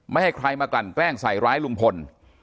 ให้ใครมากลั่นแกล้งใส่ร้ายลุงพล